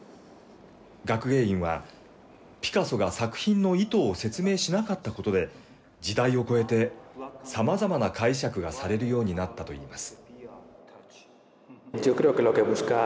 学芸員は、ピカソが作品の意図を説明しなかったことで、時代を超えて、さまざまな解釈がされるようになったといいます。